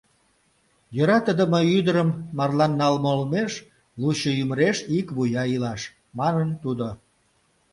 «Йӧратыдыме ӱдырым марлан налме олмеш лучо ӱмыреш ик вуя илаш», — манын тудо.